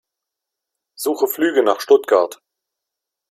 Suche Flüge nach Stuttgart.